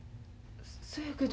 そやけど。